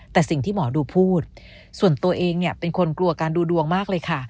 แต่สิ่งที่หมอดูพูดส่วนตัวเองเนี่ยเป็นคนกลัวการดูดวงมากเลยค่ะ